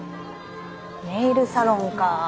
ネイルサロンか。